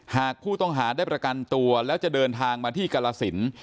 หากผู้ต้องหาได้ประกันตัวแล้วจะเดินทางมาที่กรสิน